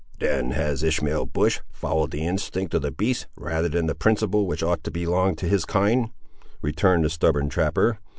"Then has Ishmael Bush followed the instinct of the beasts rather than the principle which ought to belong to his kind," returned the stubborn trapper.